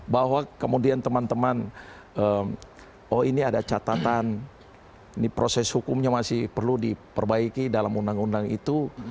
bahwa kemudian teman teman oh ini ada catatan ini proses hukumnya masih perlu diperbaiki dalam undang undang itu